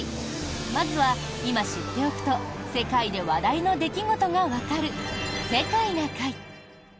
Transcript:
まずは、今知っておくと世界で話題の出来事がわかる「世界な会」。